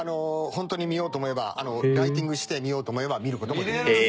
ホントに見ようと思えばライティングして見ようと思えば見る事もできます。